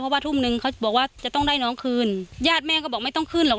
เพราะว่าทุ่มนึงเขาบอกว่าจะต้องได้น้องคืนญาติแม่ก็บอกไม่ต้องขึ้นหรอก